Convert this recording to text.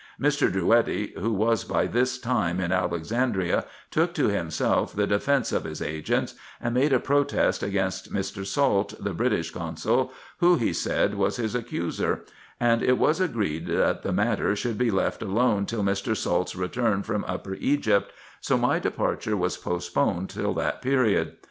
IN EGYPT, NUBIA, &c 375 Mr. Drouetti, who was by this time in Alexandria, took to himself the defence of his agents, and made a protest against Mr. Salt, the British consul, who, he said, was his accuser ; and it was agreed that the matter should be left alone till Mr. Salt's return from Upper Egypt, so my departure was postponed till that period.